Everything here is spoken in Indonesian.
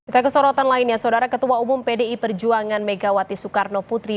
kita ke sorotan lainnya saudara ketua umum pdi perjuangan megawati soekarno putri